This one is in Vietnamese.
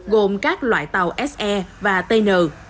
gồm các loại tàu se và tn